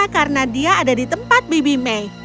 karena dia ada di tempat baby mike